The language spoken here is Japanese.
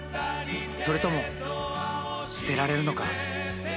それとも捨てられるのか？